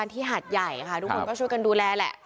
บ้านที่หัดใหญ่ค่ะทุกคนก็ช่วยกันดูแลแหละ